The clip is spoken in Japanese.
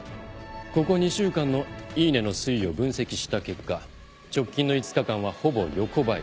ここ２週間のイイネの推移を分析した結果直近の５日間はほぼ横ばい。